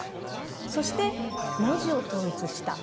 そして文字を統一した。